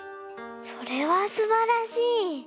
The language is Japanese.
それはすばらしい。